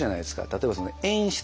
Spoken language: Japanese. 例えば演出。